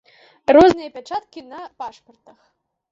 Розныя пячаткі на пашпартах.